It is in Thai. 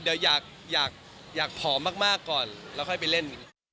เดี๋ยวอยากผอมมากก่อนแล้วค่อยไปเล่น